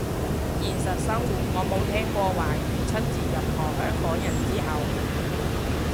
現實生活我冇聽過華語出自任何香港人之口